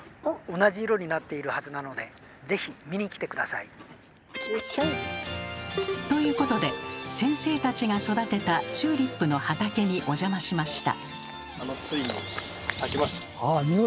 それはそうと行きましょう！ということで先生たちが育てたチューリップの畑にお邪魔しました。